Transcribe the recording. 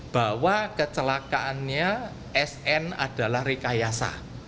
bahwa kecelakaannya sn adalah rekayasa